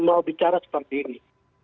mau bicara seperti ini